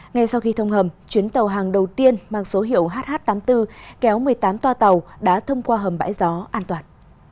ngay sau khi thông hầm chuyến tàu hàng đầu tiên mang số hiệu hh tám mươi bốn kéo một mươi tám toa tàu đã thông qua hầm bãi gió an toàn